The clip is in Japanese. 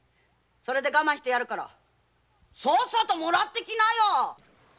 それで我慢するからさっさともらってきなよ。